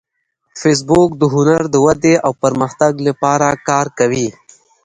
فېسبوک د هنر د ودې او پرمختګ لپاره کار کوي